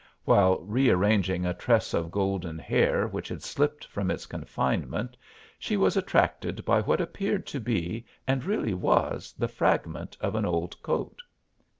While rearranging a tress of golden hair which had slipped from its confinement she was attracted by what appeared to be and really was the fragment of an old coat.